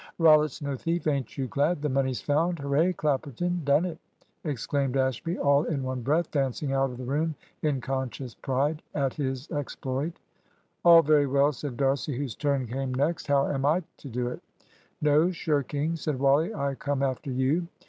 "Rollitt's no thief; ain't you glad? The money's found. Hurray, Clapperton! done it!" exclaimed Ashby, all in one breath, dancing out of the room in conscious pride at his exploit. "All very well," said D'Arcy, whose turn came next; "how am I to do it?" "No shirking," said Wally; "I come after you."